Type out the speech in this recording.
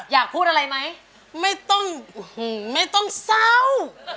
อยากพูดอะไรไหมไม่ต้องเศร้า